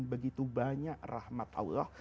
begitu banyak rahmat allah